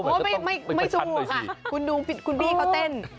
ไม่สู้ค่ะคุณดูคุณบี้เขาเต้น